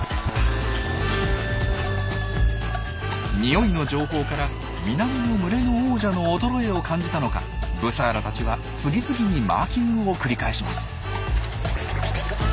匂いの情報から南の群れの王者の衰えを感じたのかブサーラたちは次々にマーキングを繰り返します。